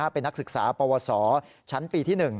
เป็นนักศึกษาปวสชั้นปีที่๑